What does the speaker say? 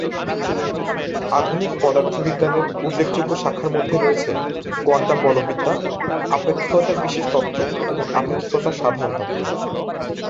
আধুনিক পদার্থবিজ্ঞানের উল্লেখযোগ্য শাখার মধ্যে রয়েছে কোয়ান্টাম বলবিদ্যা, আপেক্ষিকতার বিশেষ তত্ত্ব এবং আপেক্ষিকতার সাধারণ তত্ত্ব।